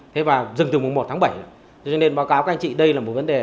thế và dừng từ mùng một tháng bảy cho nên báo cáo các anh chị đây là một vấn đề